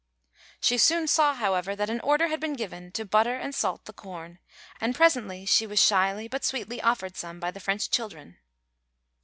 She soon saw, however, that an order had been given to butter and salt the corn, and presently she was shyly but sweetly offered some by the French children.